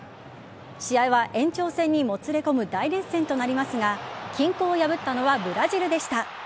試合は延長戦にもつれ込む大熱戦となりますが均衡を破ったのはブラジルでした。